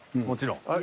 もちろん。